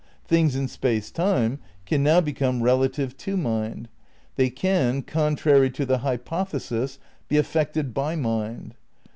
Things in space time can now become relative to mind; they can, con trary to the hypothesis, be affected by mind.